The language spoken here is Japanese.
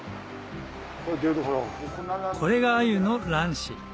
これがアユの卵子